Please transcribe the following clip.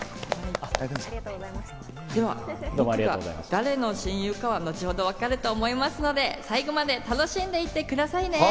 誰の親友かは後ほど分かると思いますので最後まで楽しんでいってくださいね。